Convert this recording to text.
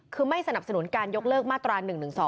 คือไม่สนับสนุนการยกเลิกมาตรา๑๑๒